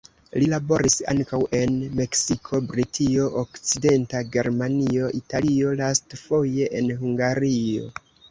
Li laboris ankaŭ en Meksiko, Britio, Okcidenta Germanio, Italio, lastfoje en Hungario.